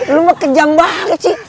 lo mah kejam banget sih